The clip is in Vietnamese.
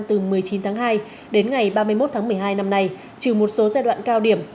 từ một mươi chín tháng hai đến ngày ba mươi một tháng một mươi hai năm nay trừ một số giai đoạn cao điểm